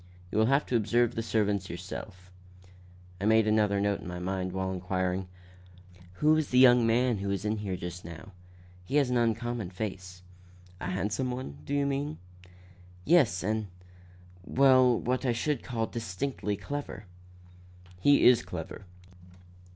You will have to observe the servants yourself." I made another note in my mind while inquiring: "Who is the young man who was here just now? He has an uncommon face." "A handsome one, do you mean?" "Yes, and well, what I should call distinctly clever." "He is clever.